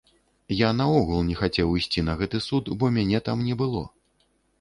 Я наогул не хацеў ісці на гэты суд, бо мяне там не было.